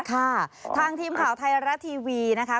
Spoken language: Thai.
ค่ะทางทีมข่าวไทยรัฐทีวีนะคะ